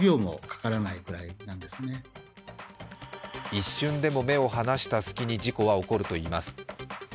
一瞬でも目を離した隙に事故は起こるといいます。